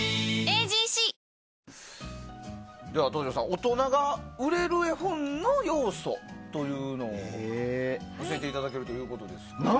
大人が売れる絵本の要素というのを教えていただけるということですね。